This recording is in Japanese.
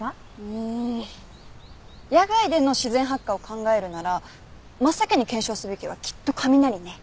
うーん野外での自然発火を考えるなら真っ先に検証すべきはきっと雷ね。